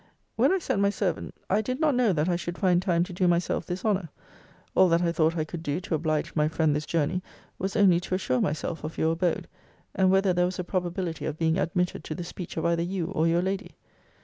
When I sent my servant, I did not know that I should find time to do myself this honour. All that I thought I could do to oblige my friend this journey, was only to assure myself of your abode; and whether there was a probability of being admitted to the speech of either you, or your lady.